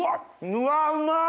うわうまっ！